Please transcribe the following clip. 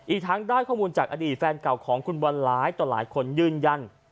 อีกทั้งได้ข้อมูลจากอดีตแฟนเก่าของคุณบอลหลายต่อหลายคนยืนยัน